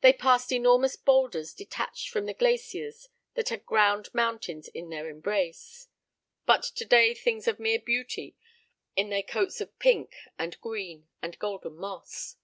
They passed enormous boulders detached from the glaciers that had ground mountains in their embrace, but today things of mere beauty in their coats of pink and green and golden moss.